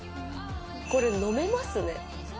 これ、飲めますね。